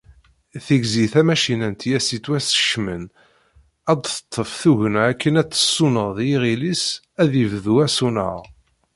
Tigzi tamacinant i as-yettwaskecmen ad d-teṭṭef tugna akken ad tsuneḍ i iɣil-is ad yebdu asuneɣ.